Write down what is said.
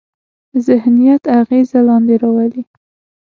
ذهنیت اغېز لاندې راولي.